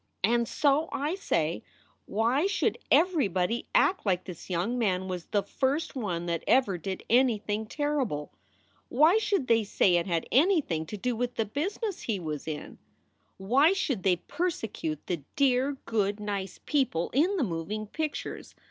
"And so I say, why should everybody act like this young man was the first one that ever did anything terrible ? Why should they say it had anything to do with the business he was in? Why should they persecute the dear, good, nice SOULS FOR SALE 253 people in the moving pictures?